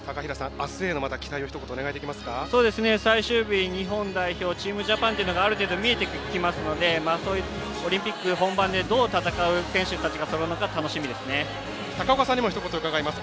あすへの期待を最終日、日本代表チームジャパンというのがある程度見えてきますのでオリンピック本番でどう戦う選手たちがそろうのか楽しみです。